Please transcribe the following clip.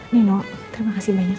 nino terima kasih banyak ya